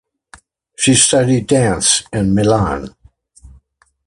She studied dance in Milan.